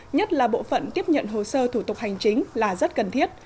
nhất là bộ phận tiếp nhận hồ sơ thủ tục hành chính là rất cần thiết